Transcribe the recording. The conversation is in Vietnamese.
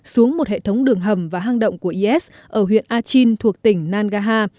xuống một hệ thống đường hầm và hang động của is ở huyện achin thuộc tỉnh nagaha